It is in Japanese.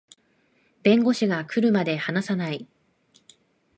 弁護士が来るまで話さない